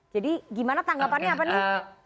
jadi gimana tanggapannya apa nih